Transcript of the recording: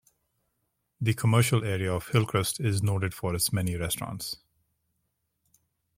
The commercial area of Hillcrest is noted for its many restaurants.